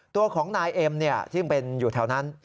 ตัวของนายเอ็มซึ่งเป็นอยู่แถวนั้น